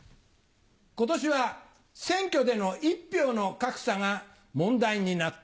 今年は選挙での「一票の格差」が問題になった。